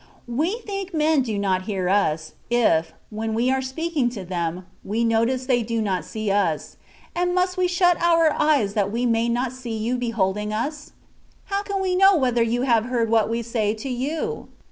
We think men do not hear us, if, when we are speaking to them, we notice they do not see us; and must we shut our eyes that we may not see You beholding us? How can we know whether You have heard what we say to You